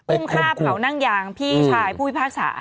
อุ้มฆ่าเผานั่งยางพี่ชายผู้พิพากษา